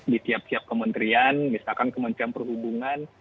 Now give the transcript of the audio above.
di tiap tiap kementerian misalkan kementerian perhubungan